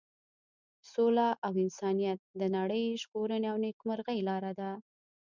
سوله او انسانیت د نړۍ د ژغورنې او نیکمرغۍ لاره ده.